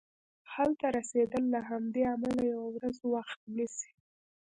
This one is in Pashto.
هلته رسیدل له همدې امله یوه ورځ وخت نیسي.